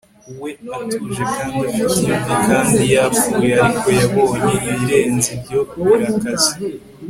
we, atuje kandi afite imvi kandi yapfuye. ariko yabonye ibirenze ibyo birakaze